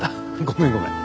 ごめんごめん。